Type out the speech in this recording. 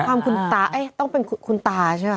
ความคุณตาต้องเป็นคุณตาใช่ไหม